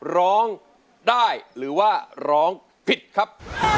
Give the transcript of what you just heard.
ร้องได้หรือว่าร้องผิดครับ